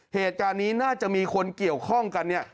เหตุการณ์นี้น่าจะมีคนเกี่ยวข้องกันเนี่ย